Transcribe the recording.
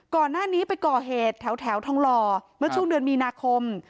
ก่อนหน้านี้ไปก่อเหตุแถวทองหล่อเมื่อช่วงเดือนมีนาคม